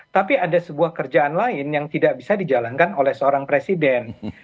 tapi ada sebuah kerjaan lain yang tidak bisa dijalankan oleh seorang presiden